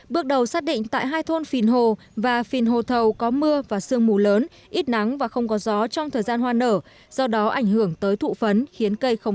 bước đầu xác định tại hai thôn phìn hồ và phìn hồ thầu có mưa và sương mù lớn ít nắng và không có gió trong thời gian hoa nở do đó ảnh hưởng tới thụ phấn khiến cây không